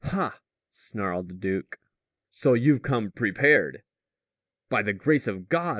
"Ha!" snarled the duke. "So you've come prepared!" "By the grace of God!"